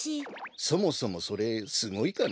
そもそもそれすごいかな？